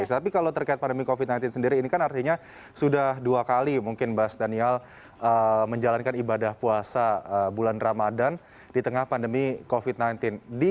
tapi kalau terkait pandemi covid sembilan belas sendiri ini kan artinya sudah dua kali mungkin mas daniel menjalankan ibadah puasa bulan ramadhan di tengah pandemi covid sembilan belas